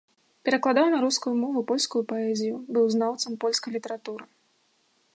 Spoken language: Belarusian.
Перакладаў на рускую мову польскую паэзію, быў знаўцам польскай літаратуры.